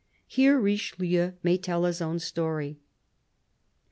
Here Richelieu may tell his own story.